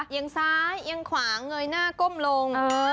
ยังซ้ายยังขวาเงยหน้าก้มลง